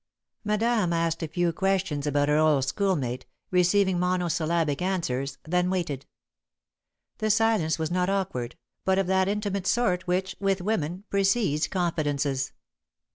Madame asked a few questions about her old schoolmate, receiving monosyllabic answers, then waited. The silence was not awkward, but of that intimate sort which, with women, precedes confidences.